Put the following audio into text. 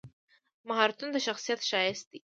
مهارتونه د شخصیت ښایست دی.